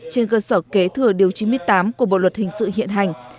trên cơ sở kế thừa điều chín mươi tám của bộ luật hình sự hiện hành